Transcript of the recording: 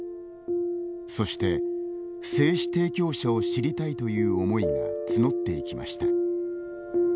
そして、精子提供者を知りたいという思いが募っていきました。